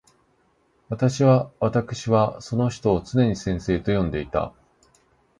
私わたくしはその人を常に先生と呼んでいた。